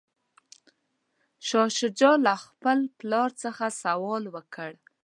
شاه شجاع له خپل پلار څخه سوال وکړ.